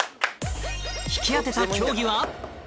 引き当てた競技は？